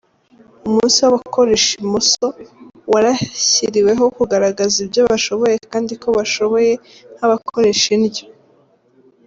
Umunsi w’abakoresha imoso warashyiriweho kugaragaza ibyo bashoboye kandi ko bashoboye nk’abakoresha indyo.